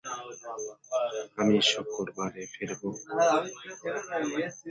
ভূমিকম্পের পরপরই একটি টার্টল ভেঙ্গে পড়ে।